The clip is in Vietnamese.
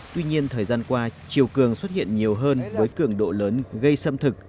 tuy nhiên thời gian qua chiều cường xuất hiện nhiều hơn với cường độ lớn gây xâm thực